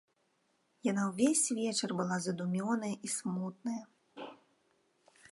Яна ўвесь вечар была задумёная і смутная.